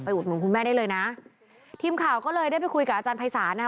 อุดหนุนคุณแม่ได้เลยนะทีมข่าวก็เลยได้ไปคุยกับอาจารย์ภัยศาลนะคะ